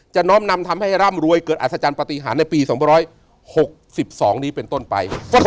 น้อมนำทำให้ร่ำรวยเกิดอัศจรรย์ปฏิหารในปี๒๖๒นี้เป็นต้นไป